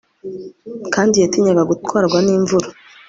kandi yatinyaga gutwarwa n'imvura